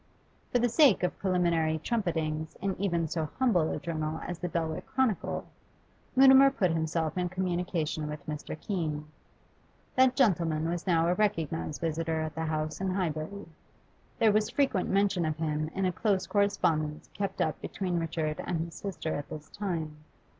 For the sake of preliminary trumpetings in even so humble a journal as the 'Belwick Chronicle,' Mutimer put himself in communication with Mr. Keene. That gentleman was now a recognised visitor at the house in Highbury; there was frequent mention of him in a close correspondence kept up between Richard and his sister at this time.